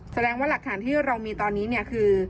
แสดงว่าหลักฐานที่เรามีตอนนี้เนี่ยคือ